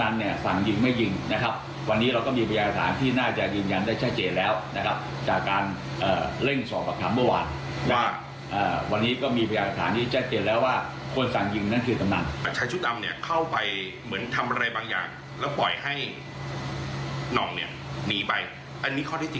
แล้วปล่อยให้น้องหนีไปอันนี้เขาได้จริงยังไงครับท่าน